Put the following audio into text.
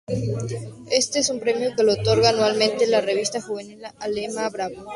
Este es un premio que lo otorga anualmente la revista juvenil alemana "Bravo".